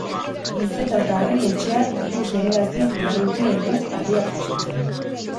Izetatarren etxean hiru generaziok dihardute egun harriak jasotzen.